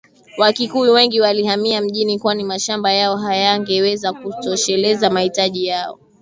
Wakikuyu wengi walihamia mijini kwani mashamba yao hayangeweza kutosheleza mahitaji yao